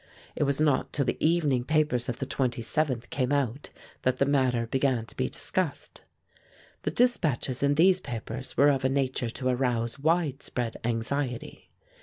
It was not till the evening papers of the 27th came out that the matter began to be discussed. The dispatches in these papers were of a nature to arouse widespread anxiety.